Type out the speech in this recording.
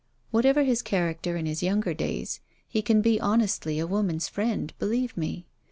Whatever his character in his younger days, he can be honestly a woman's friend, believe me.